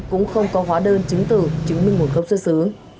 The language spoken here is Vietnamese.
cũng không có hóa đơn chứng từ chứng minh nguồn gốc xuất xứ